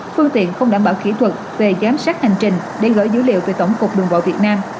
phương tiện không đảm bảo kỹ thuật về giám sát hành trình để gửi dữ liệu về tổng cục đường bộ việt nam